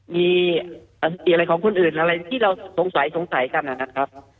มีสันติอะไรของคนอื่นอะไรที่เราสงสัยสงสัยกันนะครับ